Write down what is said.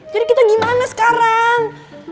jadi kita gimana sekarang